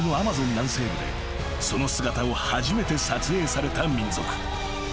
南西部でその姿を初めて撮影された民族］